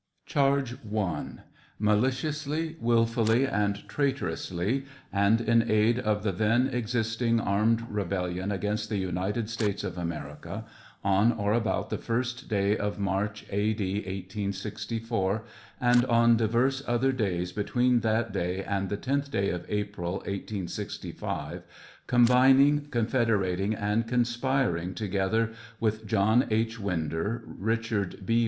Charge I. Maliciously, wilfully, and traitorously, and in aid of the then ex isting armed rebellion against the United States of America, on or about the first day of March, A. D. 1864, and on divers other days between that day and the tenth day of April, 1865, combining, confederating, and conspiring together with John H. Winder, Eichard B.